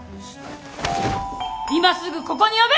今すぐここに呼べ！